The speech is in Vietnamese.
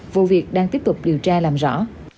vụ việc đang tiếp tục điều tra làm rõ